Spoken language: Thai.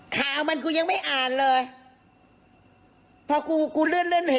แล้วอันนี้ก็เปิดแล้ว